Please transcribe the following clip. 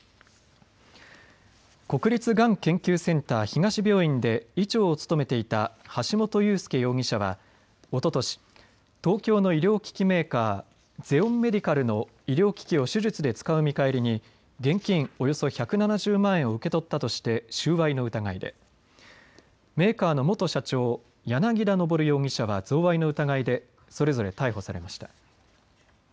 国立がん研究センター東病院で医長を務めていた橋本裕輔容疑者はおととし東京の医療機器メーカー、ゼオンメディカルの医療機器を手術で使う見返りに現金およそ１７０万円を受け取ったとして収賄の疑いで、メーカーの元社長、柳田昇容疑者は贈賄の疑いでそれぞれ逮捕されました。